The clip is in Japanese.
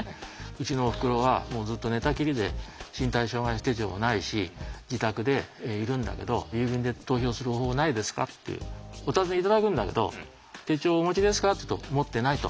「うちのおふくろはずっと寝たきりで身体障害者手帳もないし自宅でいるんだけど郵便で投票する方法ないですか？」っていうお尋ね頂くんだけど「手帳お持ちですか」って言うと「持ってない」と。